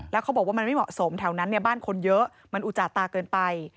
แล้วเขาบอกว่ามันไม่เหมาะสมแถวนั้นบ้านคนเยอะมันอุจจาตาเกินไป